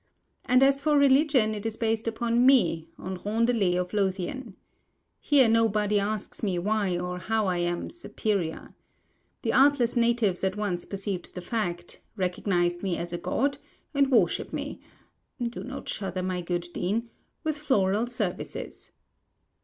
And as for Religion, it is based upon Me, on Rondelet of Lothian. Here nobody asks me why or how I am "superior." The artless natives at once perceived the fact, recognised me as a god, and worship me (do not shudder, my good Dean) with floral services.